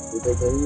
thì thấy thấy